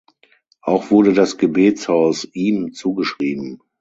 Auch wurde das Gebetshaus ihm zugeschrieben.